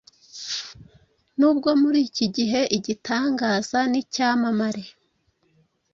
Nubwo muri iki gihe igitangaza nicyamamare,